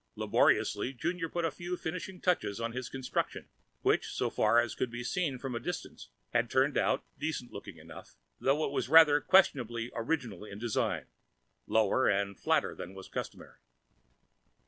Laboriously Junior put a few finishing touches to his construction which, so far as could be seen from a distance, had turned out decent looking enough, though it was rather questionably original in design: lower and flatter than was customary.